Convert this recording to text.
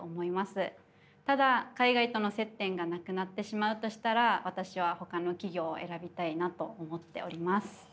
ただ海外との接点がなくなってしまうとしたら私はほかの企業を選びたいなと思っております。